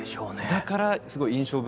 だからすごい印象深くて。